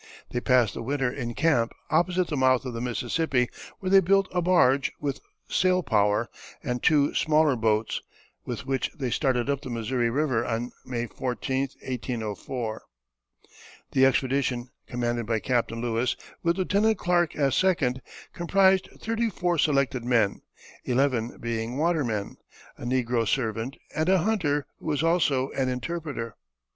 They passed the winter in camp opposite the mouth of the Missouri, where they built a barge with sail power and two smaller boats, with which they started up the Missouri River on May 14, 1804. The expedition, commanded by Captain Lewis, with Lieutenant Clark as second, comprised thirty four selected men, eleven being watermen, a negro servant, and a hunter, who was also an interpreter.